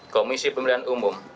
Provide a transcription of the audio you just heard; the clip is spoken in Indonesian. komisi pemilihan umum